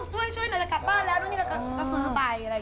ช่วยหน่อยจะกลับบ้านแล้วดูนี้ก็ซื้อไป